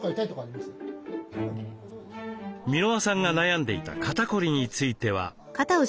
箕輪さんが悩んでいた肩凝りについては。